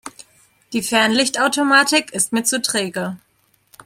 Die Fernlichtautomatik ist mir zu träge.